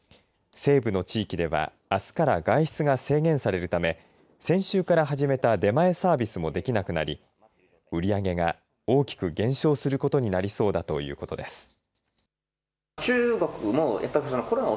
西部の地域ではあすから外出が制限されるため先週から始めた出前サービスもできなくなり売り上げが大きく減少することになりそうだということです。